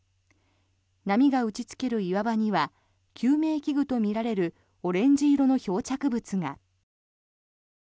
波が打ちつける岩場には救命器具とみられるオレンジ色の漂着物が。